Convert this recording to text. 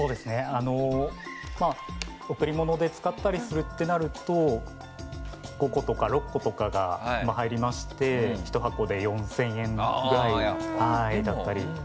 贈り物で使ったりするとなると５個とか６個が入りまして１箱で４０００円ぐらいだったり。